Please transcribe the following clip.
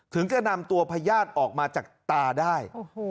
ถึงจะนำตัวพญาติออกมาจากตาได้